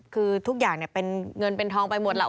คือทุกอย่างเป็นเงินเป็นทองไปหมดแล้ว